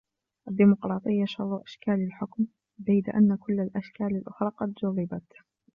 الديموقراطية شر أشكال الحكم ، بيد أن كل الأشكال الأخرى قد جُرّبت.